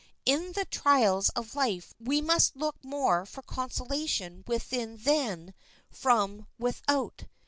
In the trials of life we must look more for consolation within than from without.